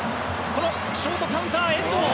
このショートカウンター、遠藤。